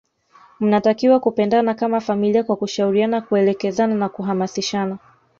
mnatakiwa kupendana kama familia kwa kushauriana kuelekezana na kuhamasishana